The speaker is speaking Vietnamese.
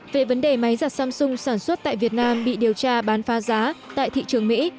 về vấn đề máy giặt samsung sản xuất tại việt nam bị điều tra bán phá giá tại thị trường mỹ